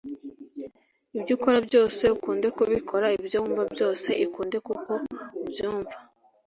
ibyo ukora byose, ukunde kubikora ibyo wumva byose, ikunde kuko ubyumva